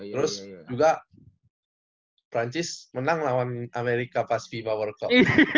terus juga prancis menang lawan amerika pas viva world cup